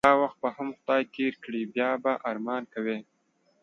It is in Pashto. دا وخت به هم خدای تیر کړی بیا به ارمان کوی